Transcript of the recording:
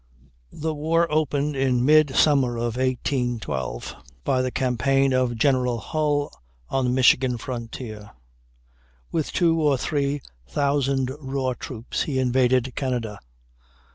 The war opened in mid summer of 1812, by the campaign of General Hull on the Michigan frontier. With two or three thousand raw troops he invaded Canada.